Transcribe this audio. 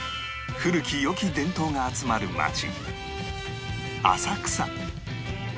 古き良き伝統が集まる街浅草